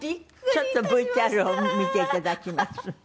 ちょっとＶＴＲを見て頂きます。